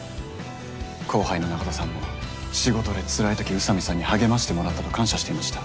後輩の中田さんも仕事でつらいとき宇佐美さんに励ましてもらったと感謝していました。